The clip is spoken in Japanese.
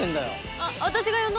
「あっ私が呼んだの」